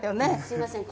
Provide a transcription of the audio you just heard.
すいません